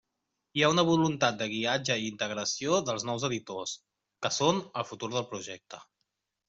Hi ha una voluntat de guiatge i integració dels nous editors, que són el futur del projecte.